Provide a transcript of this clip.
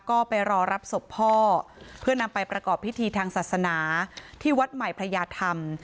ก็ไปรอรับศพพ่อเพื่อนำไปประกอบพิธีทางศาสนาที่วัดใหม่พระยาธรรม